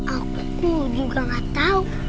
aku juga nggak tau